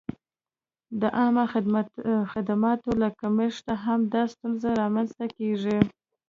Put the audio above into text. د عامه خدماتو له کمښته هم دا ستونزه را منځته کېږي.